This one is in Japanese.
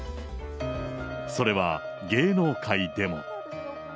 それは芸能界でも。